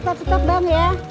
setep setep bang ya